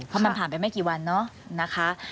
เพราะมันผ่านไปไม่กี่วันเนาะนะคะ